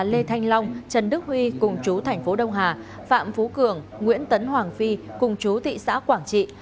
lê thanh long trần đức huy cùng chú tp đông hà phạm phú cường nguyễn tấn hoàng phi cùng chú tỵ xã quảng trị